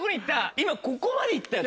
今ここまで行ったよ。